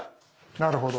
なるほど。